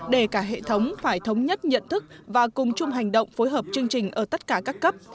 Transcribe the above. để cả hệ thống phải thống nhất nhận thức và cùng chung hành động phối hợp chương trình ở tất cả các cấp